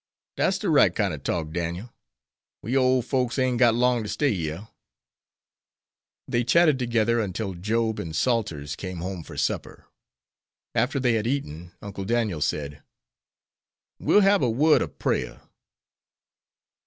"Dat's de right kine ob talk, Dan'el. We ole folks ain't got long ter stay yere." They chatted together until Job and Salters came home for supper. After they had eaten, Uncle Daniel said: "We'll hab a word ob prayer."